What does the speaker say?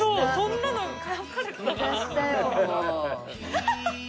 ハハハッ。